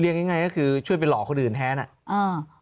ง่ายง่ายก็คือช่วยไปหลอกคนอื่นแทนอ่ะอ่า